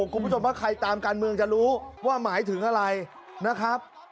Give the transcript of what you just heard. คุณผู้ชมถ้าใครตามการเมืองจะรู้ว่าหมายถึงอะไรนะครับ